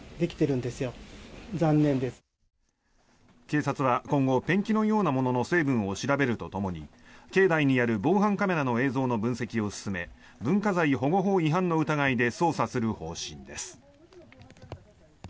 警察は、今後ペンキのようなものの成分を調べるとともに境内にある防犯カメラの映像の分析を進め文化財保護法違反の疑いで捜査する方針です。